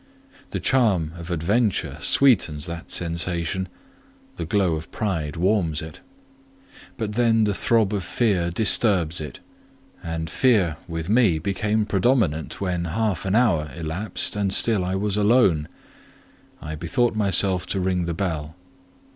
The charm of adventure sweetens that sensation, the glow of pride warms it; but then the throb of fear disturbs it; and fear with me became predominant when half an hour elapsed and still I was alone. I bethought myself to ring the bell.